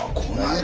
これ。